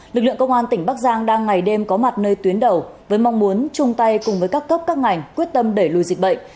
lực lượng công an tỉnh bắc giang đang ngày đêm có mặt nơi tuyến đầu với mong muốn chung tay cùng với các cấp các ngành quyết tâm đẩy lùi dịch bệnh